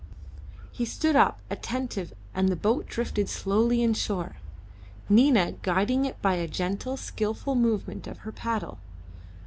He stood up attentive, and the boat drifted slowly in shore, Nina guiding it by a gentle and skilful movement of her paddle.